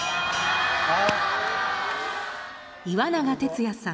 岩永徹也さん